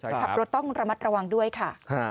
ขับรถต้องระมัดระวังด้วยค่ะ